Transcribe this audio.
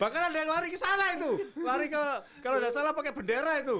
bahkan ada yang lari ke sana itu lari ke kalau tidak salah pakai bendera itu